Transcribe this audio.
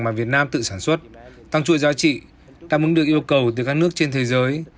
mà việt nam tự sản xuất tăng chuỗi giá trị đáp ứng được yêu cầu từ các nước trên thế giới